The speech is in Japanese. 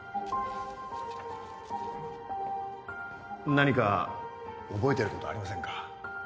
何か覚えてることありませんか？